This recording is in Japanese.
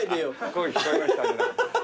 声聞こえましたね